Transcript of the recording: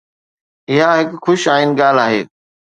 اها هڪ خوش آئند ڳالهه آهي.